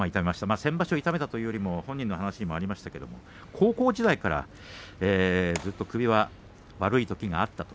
先場所痛めたというよりも本人の話にもありましたが高校時代からずっと首は悪いときがあったと。